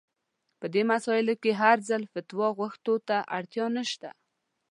په دې مسايلو کې هر ځل فتوا غوښتو ته اړتيا نشته.